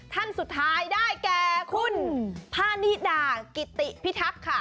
ท่านสุดท้ายได้แก่คุณพานิดากิติพิทักษ์ค่ะ